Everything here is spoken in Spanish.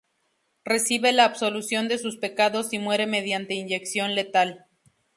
Recibe la absolución de sus pecados y muere mediante inyección letal.